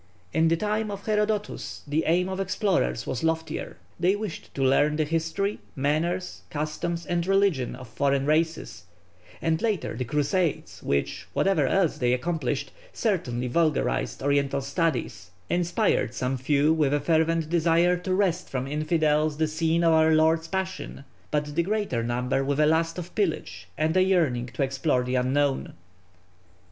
In the time of Herodotus the aim of explorers was loftier: they wished to learn the history, manners, customs, and religion of foreign races; and later, the Crusades, which, whatever else they accomplished, certainly vulgarized oriental studies, inspired some few with a fervent desire to wrest from infidels the scene of our Lord's Passion, but the greater number with a lust of pillage and a yearning to explore the unknown.